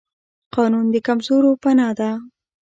قانون د کمزورو پناه ده